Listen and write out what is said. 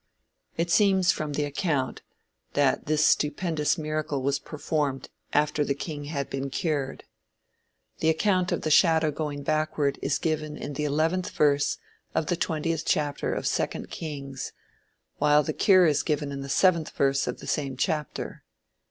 It seems, from the account, that this stupendous miracle was performed after the king had been cured. The account of the shadow going backward is given in the eleventh verse of the twentieth chapter of Second Kings, while the cure is given in the seventh verse of the same chapter.